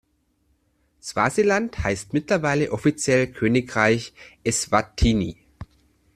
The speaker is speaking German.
Swasiland heißt mittlerweile offiziell Königreich Eswatini.